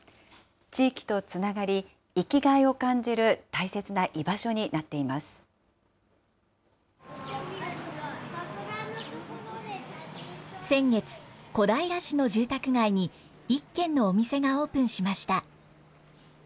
地域とつながり、生きがいを感じる大切な居場所になっていま先月、小平市の住宅街に１軒のお店がオープンしました。